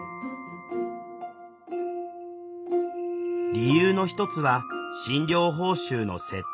理由の一つは診療報酬の設定。